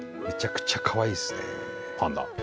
めちゃくちゃかわいいですね。